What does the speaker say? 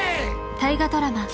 大河ドラマ